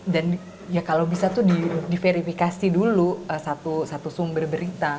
dan ya kalau bisa tuh diverifikasi dulu satu sumber berita